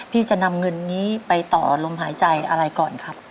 จะนำเงินนี้ไปต่อลมหายใจอะไรก่อนครับ